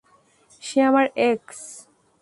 সে আমার এক্স।